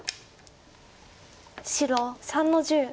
白３の十。